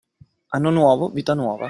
Anno nuovo, vita nuova.